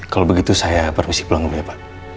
kalau begitu saya permisi pulang lebih ya pak